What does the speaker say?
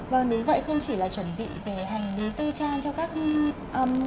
vâng đúng vậy không chỉ là chuẩn bị về hành lý tư trang cho các em